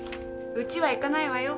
うちは行かないわよ。